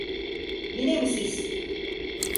Yine mi siz?